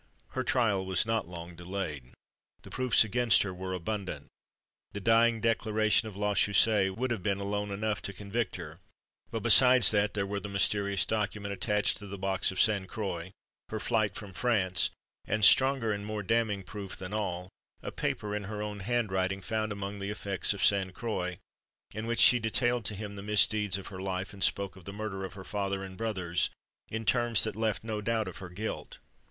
Her trial was not long delayed. The proofs against her were abundant. The dying declaration of La Chaussée would have been alone enough to convict her; but besides that, there were the mysterious document attached to the box of St. Croix, her flight from France, and, stronger and more damning proof than all, a paper, in her own handwriting, found among the effects of St. Croix, in which she detailed to him the misdeeds of her life, and spoke of the murder of her father and brothers in terms that left no doubt of her guilt.